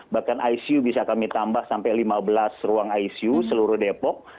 bahkan icu bisa kami tambah sampai lima belas ruang icu seluruh depok